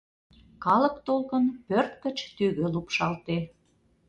Калык толкын пӧрт гыч тӱгӧ лупшалте.